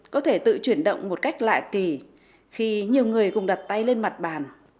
có thể tự chuyển động một cách lạ kỳ khi nhiều người cùng đặt tay lên mặt bàn